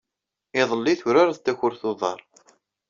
Iḍelli, turareḍ takurt n uḍar.